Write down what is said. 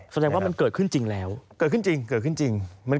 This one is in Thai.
แสดงว่ามันเกิดขึ้นจริงแล้วเกิดขึ้นจริง